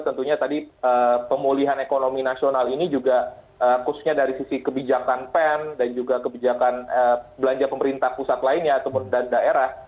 tentunya tadi pemulihan ekonomi nasional ini juga khususnya dari sisi kebijakan pen dan juga kebijakan belanja pemerintah pusat lainnya ataupun daerah